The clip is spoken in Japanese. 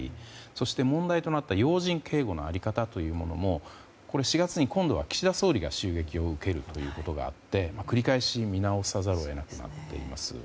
そして問題となって要人警護の在り方というのも４月に今度は岸田総理が襲撃を受けることがあって繰り返し見直さざるを得なくなっています。